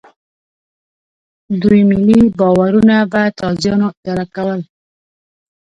دوی ملي باورونه په تازیانو اداره کول.